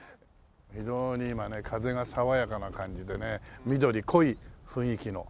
非常に今ね風が爽やかな感じでね緑濃い雰囲気の。